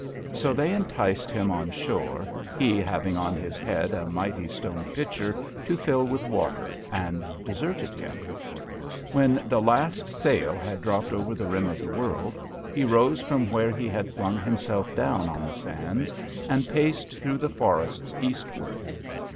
So they enticed him on shore, he having on his head a mighty stone pitcher to fill with water, and deserted him. When the last sail had dropped over the rim of the world he rose from where he had flung himself down on the sands and paced through the forests east ward.